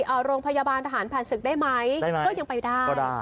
อ่าโรงพยาบาลทหารผ่านศึกได้ไหมได้ไหมก็ยังไปได้ก็ได้